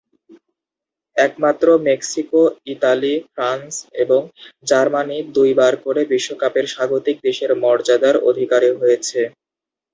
একমাত্র Mexico, Italy, France এবং Germany দুইবার করে বিশ্বকাপের স্বাগতিক দেশের মর্যাদার অধিকারী হয়েছে।